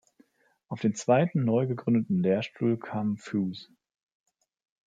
Auf den zweiten, neu gegründeten Lehrstuhl kam Fues.